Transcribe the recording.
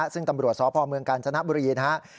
ซึ่งตำรวจสพเมืองกาญจนบุรีนะครับ